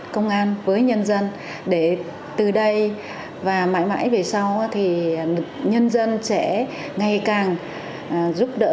công an với nhân dân để từ đây và mãi mãi về sau thì nhân dân sẽ ngày càng giúp đỡ